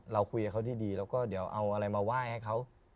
เราคุยกับเขาดีแล้วก็เดี๋ยวเอาอะไรมาไหว้ให้เขา